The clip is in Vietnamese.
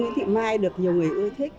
nguyễn thị mai được nhiều người ưu thích